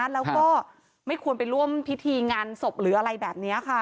แล้วก็ไม่ควรไปร่วมพิธีงานศพหรืออะไรแบบนี้ค่ะ